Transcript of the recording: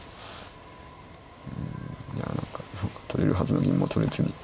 うんいや何か歩を取れるはずも取れずに。